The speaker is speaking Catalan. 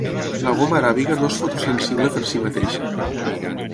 La goma aràbiga no és fotosensible per si mateixa.